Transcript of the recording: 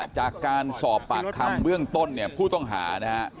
จากการสอบปากคำเวืองต้นพู่ต้องหา